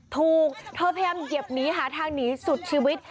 ถูกพยายามเก็บหนีหาทางหนีสุดชีวิต